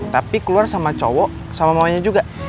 tapi keluar sama cowok sama mamanya juga